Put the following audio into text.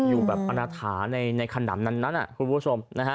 อยู่ประณะฐาในขนำนั้นคุณผู้ชม